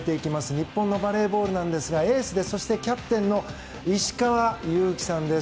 日本のバレーボールなんですがエースでキャプテンの石川祐希さんです。